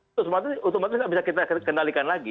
itu semuanya tidak bisa kita kendalikan lagi